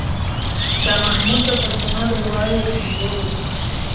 شاه محمود د پښتنو د یووالي یو سمبول و.